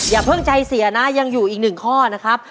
อย่าเพิ่งใจเสียนะยังอยู่อีกหนึ่งข้อนะครับ